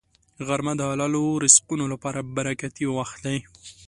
غرمه د حلالو رزقونو لپاره برکتي وخت دی